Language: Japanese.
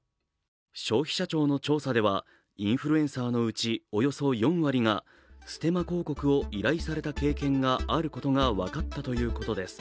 消費者庁の調査ではインフルエンサーのうち、およそ４割がステマ広告を依頼された経験があることが分かったということです。